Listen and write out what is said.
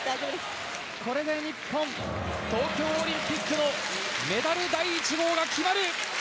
これで日本、東京オリンピックのメダル第１号が決まる！